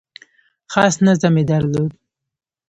خاص نظم یې درلود .